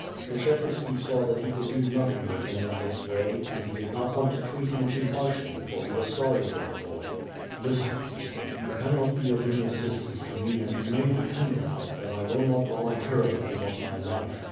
Skshetuski saw that he could do nothing with him in this way, and he did not want to treat him too harshly, for he was sorry for the boy. "Listen," he said, "you cannot be of any assistance to me and you may depend upon it that I will not voluntarily give up my life.